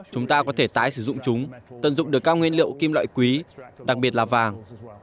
chúng ta có thể tái sử dụng chúng tận dụng được các nguyên liệu kim loại quý đặc biệt là vàng